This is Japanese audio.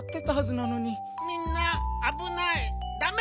みんなあぶないダメ！